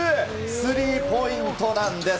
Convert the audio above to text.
スリーポイントなんです。